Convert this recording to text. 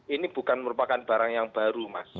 ini bukan merupakan barang yang baru mas